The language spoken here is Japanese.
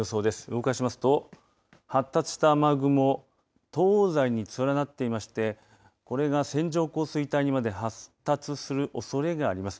動かしますと、発達した雨雲東西に連なっていましてこれが線状降水帯にまで発達するおそれがあります。